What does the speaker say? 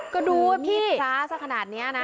ก็ดูว่าพี่มีดช้าสักขนาดนี้นะ